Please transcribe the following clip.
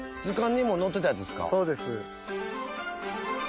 そうです。